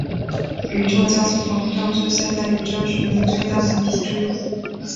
宇宙加速膨胀是现代宇宙学的最大难题之一。